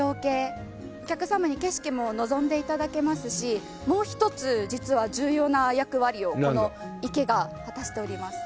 お客様に景色も望んで頂けますしもう一つ実は重要な役割をこの池が果たしております。